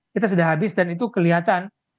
kita sudah habis dan itu kelihatan